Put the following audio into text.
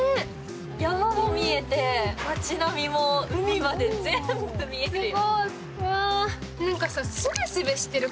山も見えて、町並みも、海まで全部見える。